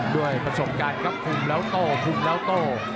ด้วยประสงค์การกลับคุมแล้วโต่คุมแล้วโต่